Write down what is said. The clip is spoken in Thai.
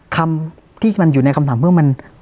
คำที่มันอยู่ในคำถามเพิ่มมัน